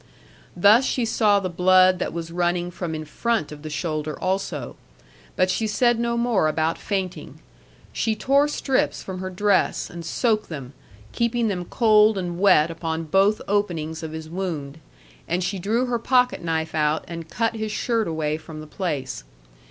Thus she saw the blood that was running from in front of the shoulder also; but she said no more about fainting. She tore strips from her dress and soaked them, keeping them cold and wet upon both openings of his wound, and she drew her pocket knife out and cut his shirt away from the place.